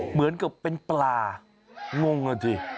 เหมือนกับเป็นปลางงอ่ะสิ